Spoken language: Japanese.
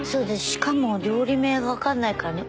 しかも料理名がわかんないからね。